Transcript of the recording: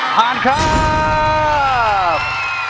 ผ่านครับ